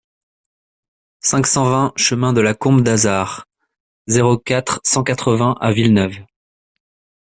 cinq cent vingt chemin de la Combe d'Azard, zéro quatre, cent quatre-vingts à Villeneuve